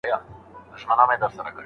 لوڼو ته زياته توجه کول د شريعت غوښتنه ده.